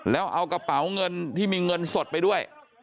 แล้วเอากระเป๋าเงินที่มีเงินสดไปด้วย